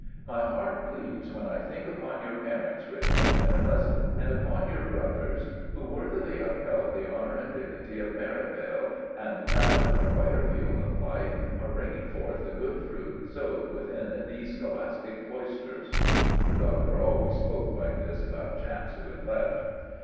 My heart bleeds when I think upon your parents, Richmond minimus, and upon your brothers who worthily upheld the honour and dignity of Merivale, and now, in the wider field of life, are bringing forth the good fruit sowed within these scholastic cloisters." The Doctor always spoke like this about chaps who had left.